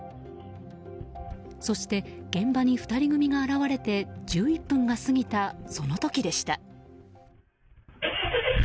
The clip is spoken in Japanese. そして、現場に２人組が現れて１１分が過ぎたその時でした。